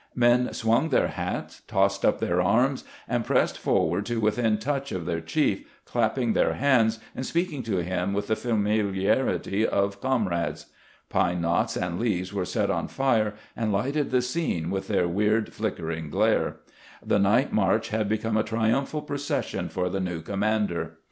Men swung their hats, tossed up their arms, and pressed forward to within touch of their chief, clapping their hands, and speaking to him with the familiarity of comrades. Pine knots and leaves were set on fire, and lighted the scene with their weird, flickering glare. The night march had become a triumphal procession for the new commander.